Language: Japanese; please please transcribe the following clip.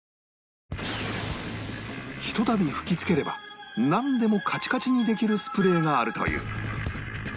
ひとたび吹き付ければなんでもカチカチにできるスプレーがあるという